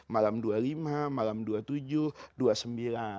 malam dua puluh lima malam dua puluh tujuh